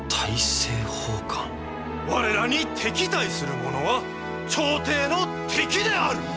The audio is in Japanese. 我らに敵対するものは朝廷の敵である！